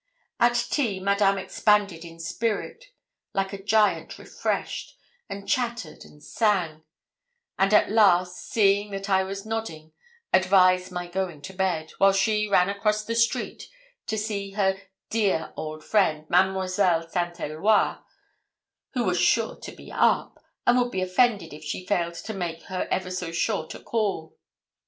At tea, Madame expanded in spirit, like a giant refreshed, and chattered and sang; and at last, seeing that I was nodding, advised my going to bed, while she ran across the street to see 'her dear old friend, Mademoiselle St. Eloi, who was sure to be up, and would be offended if she failed to make her ever so short a call.'